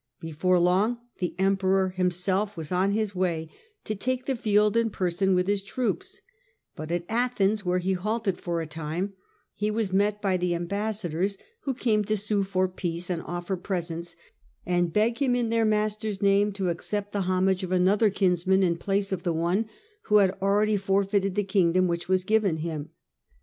Before long the Emperor himself was on his way to take the field in person with his troops ; but at Athens, where he halted for a time, he was met by the ambassa dors who came to sue for peace and offer presents, and beg him in their master's name to accept the homage of another kinsman in place of the one who had already for feited the kingdom which was given him.